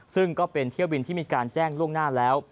ซึ่งก็เป็นเที่ยวบินที่มีการแจ้งล่วงหน้าแล้ว